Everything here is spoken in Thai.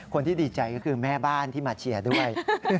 คนที่ดีใจก็คือแม่บ้านที่มาเชียร์ด้วย